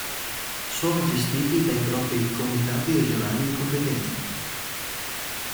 Sono gestiti dai propri Comitati Regionali di competenza.